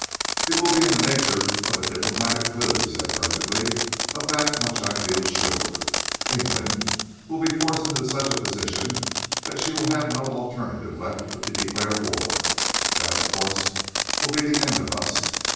"It will be in the nature of a diplomatic coup," he said presently. "Of that much I feel sure. England will be forced into such a position that she will have no alternative left but to declare war. That, of course, will be the end of us.